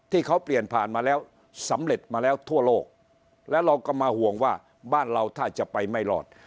ที่เขาเปลี่ยนผ่านมาแล้วสำเร็จมาแล้วทั่วโลกแล้วเราก็มาห่วงว่าบ้านเราถ้าจะไปไม่รอด